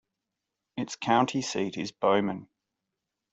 Its county seat is Bowman.